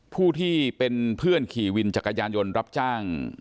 ผู้ที่เป็นเพื่อนขี่วินจักรยานยนต์รับจ้าง